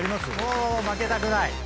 もう負けたくない。